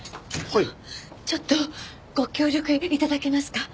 ちょっとご協力頂けますか？